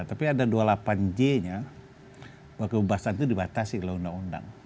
tapi ada dua puluh delapan j nya bahwa kebebasan itu dibatasi oleh undang undang